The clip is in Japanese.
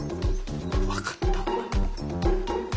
分かった。